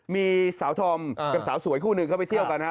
มีสาวธอมกับสาวสวยคู่หนึ่งเข้าไปเที่ยวกันฮะ